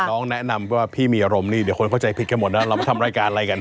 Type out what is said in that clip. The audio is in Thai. น้องแนะนำว่าพี่มีอารมณ์นี่เดี๋ยวคนเข้าใจผิดกันหมดนะเรามาทำรายการอะไรกัน